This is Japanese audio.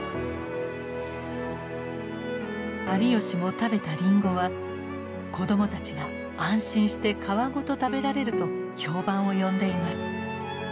有吉も食べたリンゴは子どもたちが安心して皮ごと食べられると評判を呼んでいます。